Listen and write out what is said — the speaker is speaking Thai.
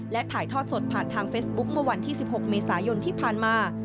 และถ่ายทอดสดผ่านทางเฟซบุ๊คเมื่อวันที่๑๖เมษายนที่ผ่านมา